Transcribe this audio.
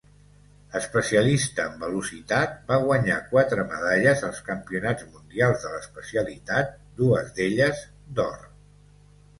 Especialista en velocitat, va guanyar quatre medalles als Campionats mundials de l'especialitat, dues d'elles d'or.